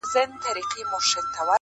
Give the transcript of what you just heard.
ډبرینه یې قلا لیري له ښاره،